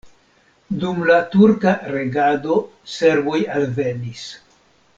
Dum la turka regado serboj alvenis.